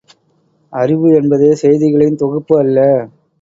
அறிவு என்பது செய்திகளின் தொகுப்பு அல்ல!